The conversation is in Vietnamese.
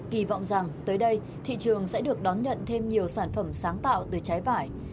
kỳ vọng rằng tới đây thị trường sẽ được đón nhận thêm nhiều sản phẩm sáng tạo từ trái vải